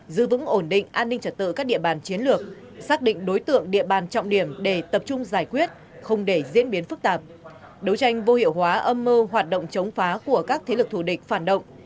giữ vững ổn định an ninh trật tự các địa bàn chiến lược xác định đối tượng địa bàn trọng điểm để tập trung giải quyết không để diễn biến phức tạp đấu tranh vô hiệu hóa âm mưu hoạt động chống phá của các thế lực thù địch phản động